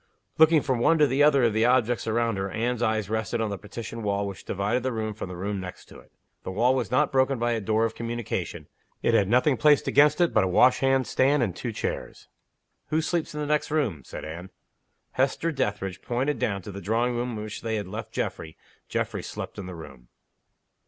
Looking from one to the other of the objects around her, Anne's eyes rested on the partition wall which divided the room from the room next to it. The wall was not broken by a door of communication, it had nothing placed against it but a wash hand stand and two chairs. "Who sleeps in the next room?" said Anne. Hester Dethridge pointed down to the drawing room in which they had left Geoffrey, Geoffrey slept in the room.